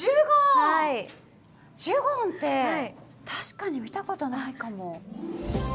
ジュゴンって確かに見たことないかも。